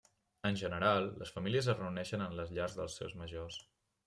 En general, les famílies es reuneixen en les llars dels seus majors.